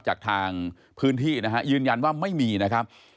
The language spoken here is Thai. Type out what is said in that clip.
จากทางพื้นที่นะฮะยืนยันว่าไม่มีนะครับ